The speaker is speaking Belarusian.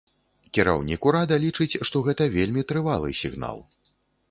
Кіраўнік урада лічыць, што гэта вельмі трывалы сігнал.